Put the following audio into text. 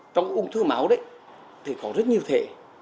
trong ung thư máu đấy thì có rất nhiều thế